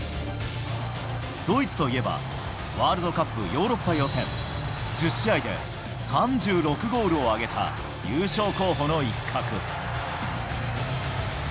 ドイツといえば、ワールドカップヨーロッパ予選、１０試合で３６ゴールを挙げた優勝候補の一角。